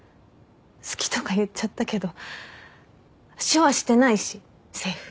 好きとか言っちゃったけど手話してないしセーフ。